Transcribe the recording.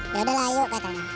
yaudah lah yuk katanya